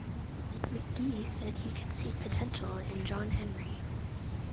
McGee said he could see potential in John Henry.